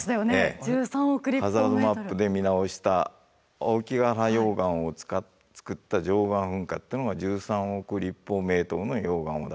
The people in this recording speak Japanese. ハザードマップで見直した青木ヶ原溶岩をつくった貞観噴火っていうのが１３億の溶岩を出したんですね。